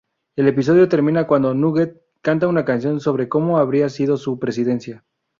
El episodio termina cuando Nugent canta una canción sobre cómo habría sido su presidencia.